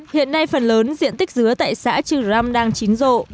hiện nay phần lớn diện tích dứa tại xã trừ răm đang chín rộ